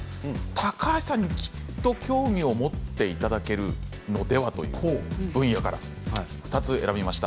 高橋さんにもきっと興味を持っていただけるのではという分野から２つ選びました。